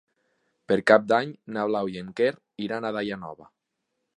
Per Cap d'Any na Blau i en Quer iran a Daia Nova.